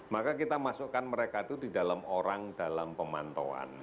maka kita masukkan mereka itu di dalam orang dalam pemantauan